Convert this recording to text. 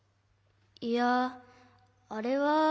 いやあれは。